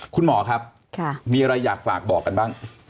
คุณหมอครับมีอะไรอยากฝากบอกกันบ้าง